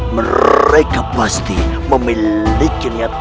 mereka pasti memilikinya